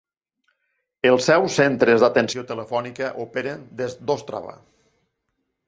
Els seus centres d'atenció telefònica operen des d'Ostrava.